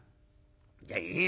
じゃあいいよ。